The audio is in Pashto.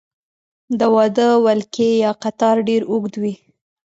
د واده ولکۍ یا قطار ډیر اوږد وي.